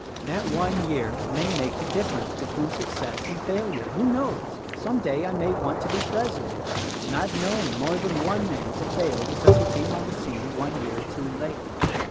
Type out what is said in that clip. "That one year may make the difference between suc cess and failure. Who knows? Some day I may want to be President; and I've known more than one man to fail because he came on the scene one year too late.